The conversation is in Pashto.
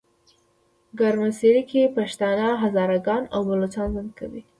ګرمسیرکې پښتانه، هزاره ګان او بلوچان ژوند کوي.